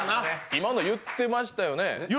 今の言ってましたよね。